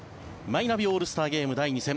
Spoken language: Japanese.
マイナビオールスターゲーム第２戦。